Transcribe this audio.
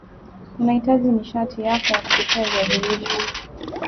Utahitaji nishati yako ya kupikia viazi lishe